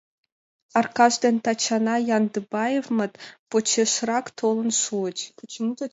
Аркаш ден Тачана Яндыбаевмыт почешрак толын шуыч.